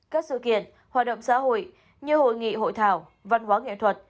các sự kiện hoạt động xã hội như hội nghị hội thảo văn hóa nghệ thuật